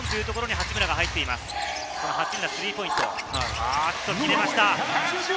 八村のスリーポイント、決めました！